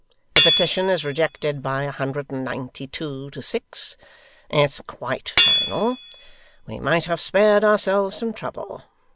The petition is rejected by a hundred and ninety two, to six. It's quite final. We might have spared ourselves some trouble.